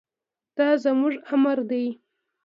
دا زموږ امر دی.